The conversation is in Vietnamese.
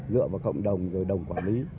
dựa vào cộng đồng rồi đồng quản lý